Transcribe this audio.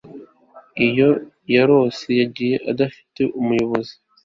iyo yarose, yagiye adafite umuyobozi